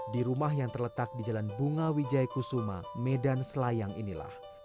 di rumah yang terletak di jalan bunga wijaya kusuma medan selayang inilah